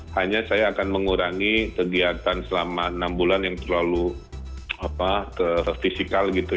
hanya saya akan mengurangi kegiatan selama enam bulan yang terlalu fisikal gitu